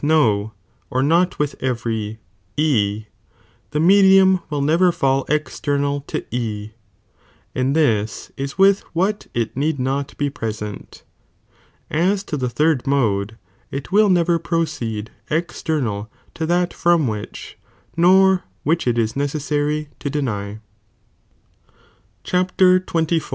no, or not with every E,f the medium will never '^'"' faU external to E, and this^ is with what it need f e. not be present.' As to the third Tnode,|| it will i Thesr never proceed external to that from which, nor ^"■ which it IB neccasarj to detty.